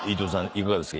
いかがですか？